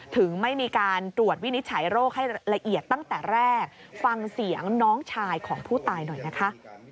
ไม่มีการตรวจวินิจฉัยโรคให้ละเอียดตั้งแต่แรกฟังเสียงน้องชายของผู้ตายหน่อยนะคะ